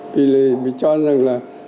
vì bị cho rằng là